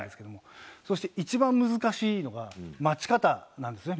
そして一番難しいのが、待ち方なんですね。